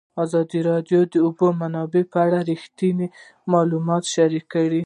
ازادي راډیو د د اوبو منابع په اړه رښتیني معلومات شریک کړي.